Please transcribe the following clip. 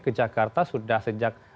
ke jakarta sudah sejak